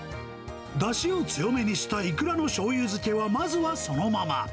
だしを強めにしたイクラのしょうゆ漬けは、まずはそのまま。